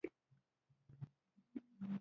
رومیان د پاک زړه نښه ده